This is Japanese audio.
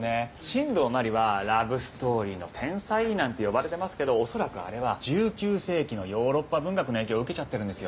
新道真理はラブストーリーの天才なんて呼ばれてますけど恐らくあれは１９世紀のヨーロッパ文学の影響を受けちゃってるんですよ。